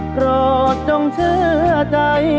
โปรดจงเชื่อใจ